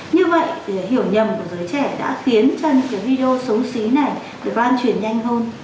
như vậy thì hiểu nhầm của giới trẻ đã khiến cho những cái video xấu xí này lan truyền nhanh hơn